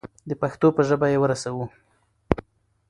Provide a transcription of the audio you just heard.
د پښتو په ژبه یې ورسوو.